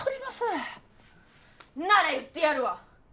んなら言ってやるわ！